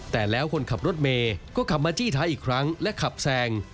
แต่แล้วคนขับรถเมย์ก็ขับมาจี้ท้ายอีกครั้งและขับแซง